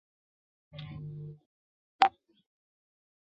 毕业于浙江大学电气自动化专业。